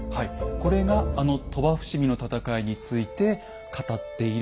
これがあの鳥羽伏見の戦いについて語っている記述なんですよ。